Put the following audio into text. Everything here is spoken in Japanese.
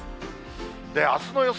あすの予想